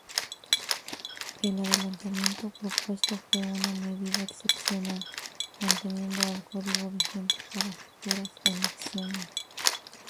El adelantamiento propuesto fue una medida excepcional, manteniendo al código vigente para futuras elecciones.